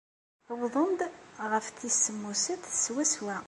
Wwḍen-d ɣef tis semmuset swaswa.